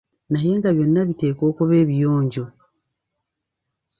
Naye nga byonna biteekwa okuba ebiyonjo.